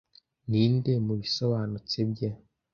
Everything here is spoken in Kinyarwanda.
ninde mubisobanutse bye